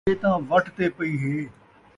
اے تاں وٹ تے پئی ہے